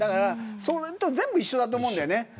それと全部一緒だと思うんだよね。